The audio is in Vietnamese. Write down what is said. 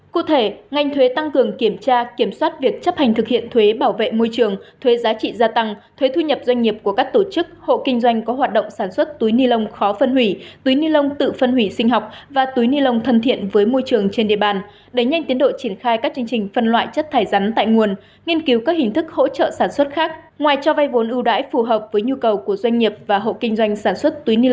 cụ thể ngành thuế tăng cường kiểm tra kiểm soát việc chấp hành thực hiện thuế bảo vệ môi trường thuế giá trị gia tăng thuế thu nhập doanh nghiệp của các tổ chức hộ kinh doanh có hoạt động sản xuất túi ni lông khó phân hủy túi ni lông tự phân hủy sinh học và túi ni lông thân thiện với môi trường trên địa bàn để nhanh tiến đội triển khai các chương trình phân loại chất thải rắn tại nguồn nghiên cứu các hình thức hỗ trợ sản xuất khác ngoài cho vay vốn ưu đãi phù hợp với nhu cầu của doanh nghiệp và hộ kinh doanh sản xuất túi ni l